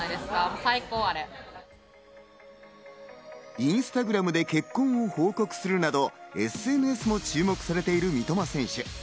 Ｉｎｓｔａｇｒａｍで結婚を報告するなど、ＳＮＳも注目されている三笘選手。